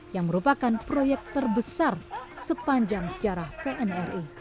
yang merupakan proyek terbesar sepanjang sejarah pnri